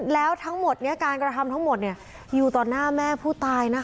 แล้วทั้งหมดเนี่ยการกระทำทั้งหมดเนี่ยอยู่ตอนหน้าแม่ผู้ตายนะคะ